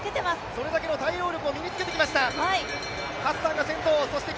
それだけの対応力を身につけてきました。